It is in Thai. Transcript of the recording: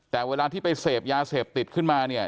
แต่เวลาที่ไปเสพยาเสพติดขึ้นมาเนี่ย